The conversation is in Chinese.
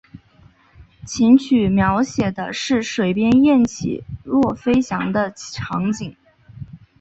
琴曲描写的是水边雁起落飞翔的场景。